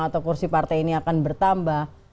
atau kursi partai ini akan bertambah